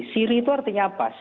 siri itu artinya apa